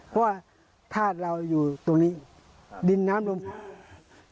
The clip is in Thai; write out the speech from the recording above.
เพราะว่าธาตุเราอยู่ตรงนี้ดินน้ำลม